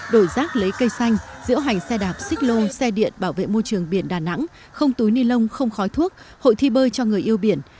đổi rác lấy cây xanh diễu hành xe đạp xích lô xe điện bảo vệ môi trường biển đà nẵng không túi ni lông không khói thuốc hội thi bơi cho người yêu biển